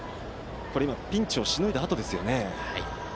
ピンチをしのいだあとですよね。